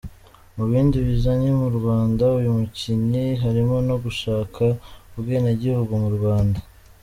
Mu bindi bizanye mu Rwanda uyu mukinnyi harimo no gushaka ubwenegihugu bw’u Rwanda.